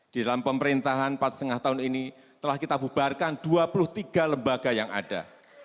di dalam pemerintahan empat lima tahun ini telah kita bubarkan dua puluh tiga lembaga yang ada